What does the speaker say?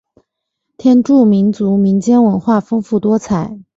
天柱民族民间文化丰富多彩。